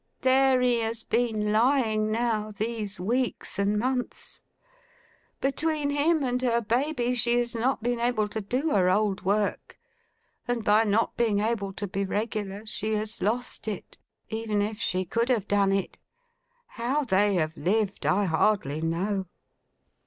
There he has been lying, now, these weeks and months. Between him and her baby, she has not been able to do her old work; and by not being able to be regular, she has lost it, even if she could have done it. How they have lived, I hardly know!